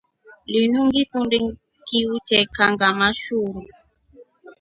Linu ngikundi kiuche kanʼgama shuru.